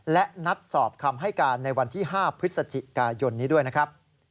และนัดสอบคำให้การในวันที่๕พฤศจิกายนนี้ด้วยนะครับ